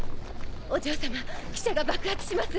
お嬢様汽車が爆発します。